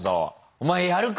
お前やるか？